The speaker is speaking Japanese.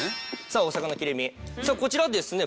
さあこちらはですね